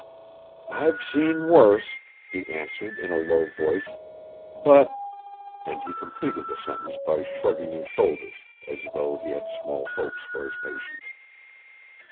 "I've seen worse," he answered in a low voice, "but " and he completed the sentence by shrugging his shoulders, as though he had small hopes for his patient.